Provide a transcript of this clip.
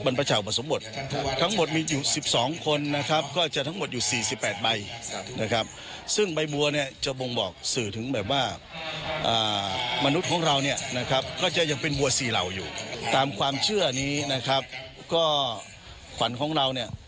แล้วก็จะยังเป็นบัวสีเหล่าอยู่ตามความเชื่อนี้นะครับก็ขวัญของเราเนี่ย